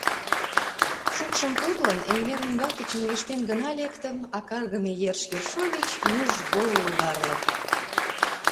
Шукшым пурлын, эҥер ӱмбаке чоҥештен гына лектым, а каргыме Ерш Ершович — нужгол логарлык!